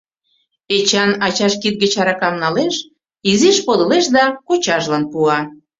Эчан ачаж кид гыч аракам налеш, изиш подылеш да кочажлан пуа.